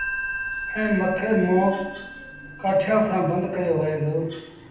ائيٚݩ مٿي منهن ڪآٺيٚآن سآݩ بند ڪيو وهي دو۔